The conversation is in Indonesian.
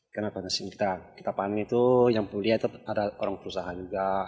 karena kita panen itu yang pulih itu ada orang perusahaan juga